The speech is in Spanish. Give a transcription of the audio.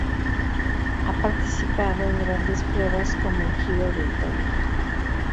Ha participado en grandes pruebas como el Giro de Italia.